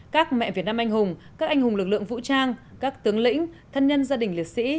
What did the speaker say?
các mẹ việt nam anh hùng các anh hùng lực lượng vũ trang các tướng lĩnh thân nhân gia đình liệt sĩ